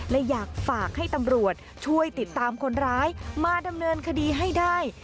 และอยากฝากให้ตำรวจช่วยติดตามคนร้ายมาดำเนินคดีให้ได้